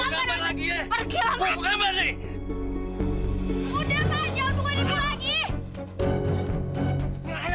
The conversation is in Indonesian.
udah mah jangan buatin gua lagi